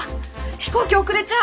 飛行機遅れちゃう！